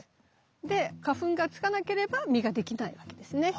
で花粉がつかなければ実ができないわけですね。